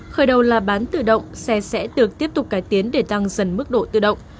khởi đầu là bán tự động xe sẽ được tiếp tục cải tiến để tăng dần mức độ tự động